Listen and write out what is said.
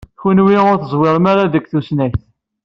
Kenwi ur teẓwirem deg tusnakt.